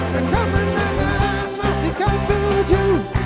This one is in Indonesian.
karena kemenangan masih kan tuju